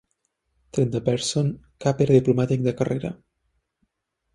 Tret de Pearson, cap era diplomàtic de carrera.